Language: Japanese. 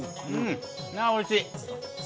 あおいしい！